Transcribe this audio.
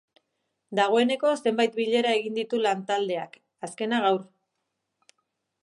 Dagoeneko zenbait bilera egin ditu lantaldeak, azkena gaur.